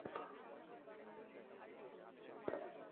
ওরে, বাপরে!